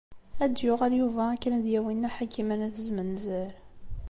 Ad d-yuɣal Yuba akken ad yawi Nna Ḥakima n At Zmenzer.